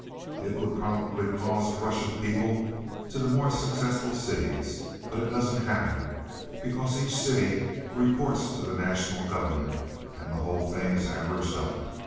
"It would probably cause a rush of people to the more successful cities. But it doesn't happen, because each city reports to the National government and the whole thing is averaged up.